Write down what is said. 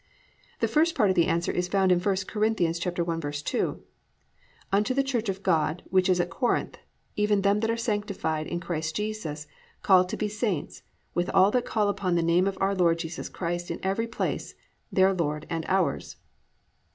1. The first part of the answer is found in I Cor. 1:2, +"Unto the Church of God, which is at Corinth, even them that are sanctified in Christ Jesus, called to be saints, with all that call upon the name of our Lord Jesus Christ in every place, their Lord and ours."